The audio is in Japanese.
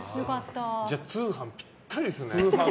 じゃあ通販ぴったりですね。